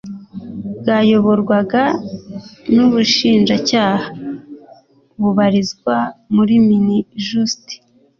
bwayoborwaga n’Ubushinjacyaha bubarizwa muri Minijust